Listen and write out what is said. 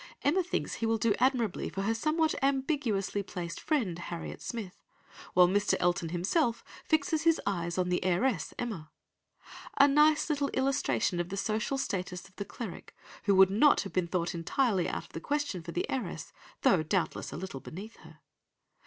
'" Emma thinks he will do admirably for her somewhat ambiguously placed friend Harriet Smith, while Mr. Elton himself fixes his eyes on the heiress Emma. A nice little illustration of the social status of the cleric, who would not have been thought entirely out of the question for the heiress, though doubtless a little beneath her.